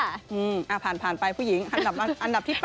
อ่าผ่านไปผู้หญิงอันดับที่๘ค่ะ